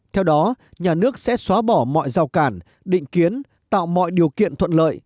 theo đó nhà nước sẽ xóa bỏ mọi giao cản định kiến tạo mọi điều kiện thuận lợi